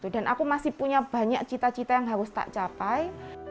dan aku masih punya banyak cita cita yang harus tak capai